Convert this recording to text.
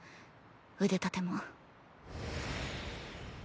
腕立ても。